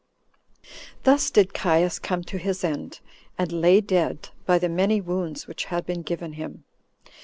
Thus did Caius come to his end, and lay dead, by the many wounds which had been given him.